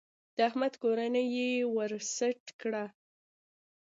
د احمد کورنۍ يې ور سټ کړه.